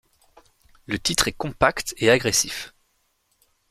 Le titre est compact et agressif.